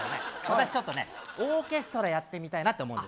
私ちょっとねオーケストラやってみたいなと思うんですよね